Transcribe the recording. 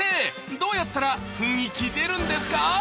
どうやったら雰囲気出るんですか？